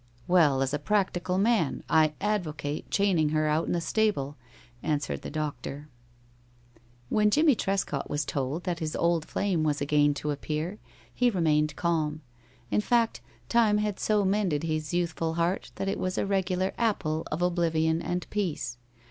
"Well, as a practical man, I advocate chaining her out in the stable," answered the doctor. When Jimmie Trescott was told that his old flame was again to appear, he remained calm. In fact, time had so mended his youthful heart that it was a regular apple of oblivion and peace.